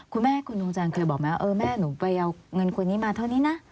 คุณแม่คุณดวงจันทร์เคยบอกไหมว่าแม่หนูไปเอาเงินคนนี้มาเท่านี้นะ